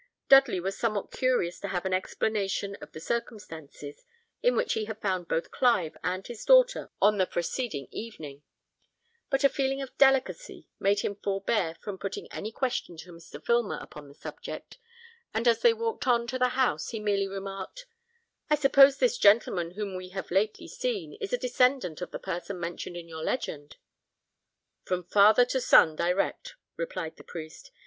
Dudley was somewhat curious to have an explanation of the circumstances in which he had found both Clive and his daughter on the preceding evening; but a feeling of delicacy made him forbear from putting any question to Mr. Filmer upon the subject, and as they walked on to the house he merely remarked, "I suppose this gentleman whom we have lately seen is a descendant of the person mentioned in your legend?" "From father to son direct," replied the priest.